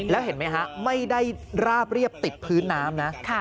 แล้วเห็นไหมฮะไม่ได้ราบเรียบติดพื้นน้ำนะ